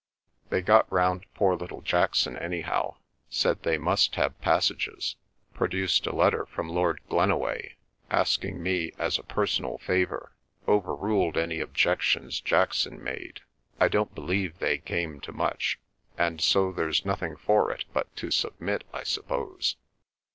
They got round poor little Jackson anyhow. Said they must have passages—produced a letter from Lord Glenaway, asking me as a personal favour—overruled any objections Jackson made (I don't believe they came to much), and so there's nothing for it but to submit, I suppose."